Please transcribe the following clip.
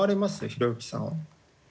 ひろゆきさんは。